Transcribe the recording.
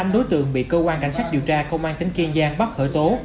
năm đối tượng bị cơ quan cảnh sát điều tra công an tỉnh kiên giang bắt khởi tố